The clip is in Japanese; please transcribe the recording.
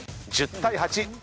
１０対８。